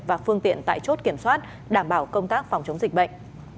và phương tiện tại chốt kiểm soát đảm bảo công tác phòng chống dịch bệnh